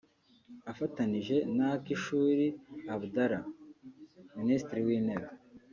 afatanije na Akishuri Abdallah (Minisitiri w’Intebe)